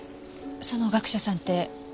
その学者さんって？